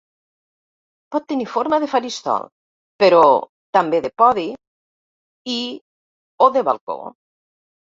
Pot tenir forma de faristol, però també de podi i o de balcó.